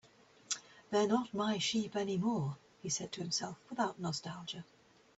"They're not my sheep anymore," he said to himself, without nostalgia.